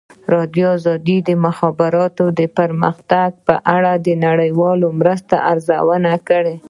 ازادي راډیو د د مخابراتو پرمختګ په اړه د نړیوالو مرستو ارزونه کړې.